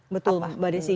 betul mbak desy